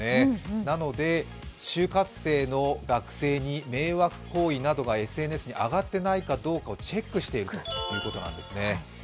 なので就活生の学生に迷惑行為などがＳＮＳに上がっていないかどうかチェックしているということなんですね。